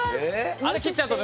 あれ切っちゃうとね。